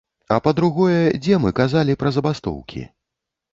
А па-другое, дзе мы казалі пра забастоўкі?